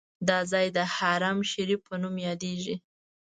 دا ځای د حرم شریف په نوم هم یادیږي.